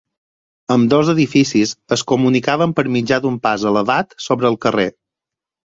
Ambdós edificis es comunicaven per mitjà d'un pas elevat sobre el carrer.